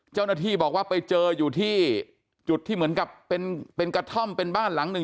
เจ้าหน้าที่บอกว่าไปเจออยู่ที่จุดที่เหมือนกับเป็นกระท่อมเป็นบ้านหลังหนึ่ง